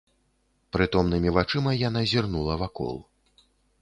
Прытомнымі вачыма яна зірнула вакол.